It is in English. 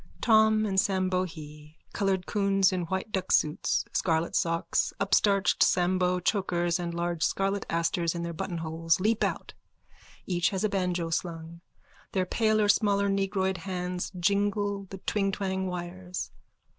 _(Tom and Sam Bohee, coloured coons in white duck suits, scarlet socks, upstarched Sambo chokers and large scarlet asters in their buttonholes, leap out. Each has his banjo slung. Their paler smaller negroid hands jingle the twingtwang wires.